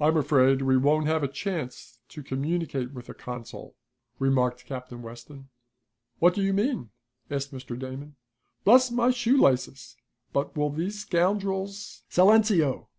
"I'm afraid we won't have a chance to communicate with the consul," remarked Captain Weston. "What do you mean?" asked Mr. Damon. "Bless my shoelaces, but will these scoundrels " "Silenceo!"